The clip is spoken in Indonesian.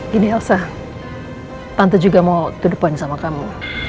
gini elsa tante juga mau duduk sama kamu